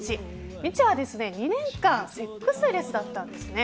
みちは、２年間セックスレスだったんですね。